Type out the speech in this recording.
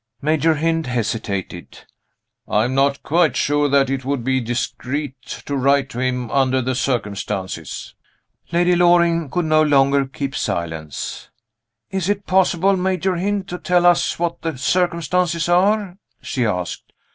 Major Hynd hesitated. "I am not quite sure that it would be discreet to write to him, under the circumstances." Lady Loring could no longer keep silence. "Is it possible, Major Hynd, to tell us what the circumstances are?" she asked.